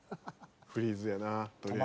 フリーズやなとりあえず。